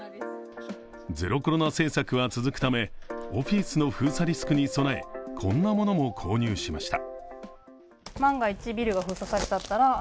ゼロコロナ政策は続くためオフィスの封鎖リスクに供えこんなものも購入しました。